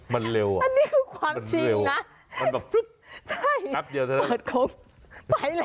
มันเร็วอ่ะมันเร็วอ่ะมันแบบซึ๊กครับเดียวเท่านั้นอันนี้คือความจริงนะ